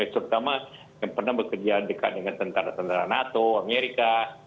terutama yang pernah bekerja dekat dengan tentara tentara nato amerika